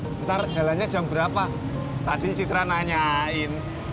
eh ntar jalannya jam berapa tadi citra nanyain